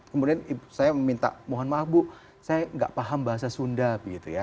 kemudian saya meminta mohon maaf bu saya gak paham bahasa sunda gitu ya